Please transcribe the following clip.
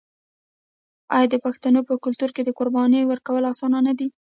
آیا د پښتنو په کلتور کې د قربانۍ ورکول اسانه نه دي؟